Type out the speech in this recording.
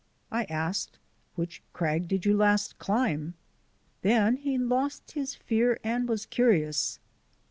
I asked: "Which crag did you last climb?" Then he lost his fear and was curious.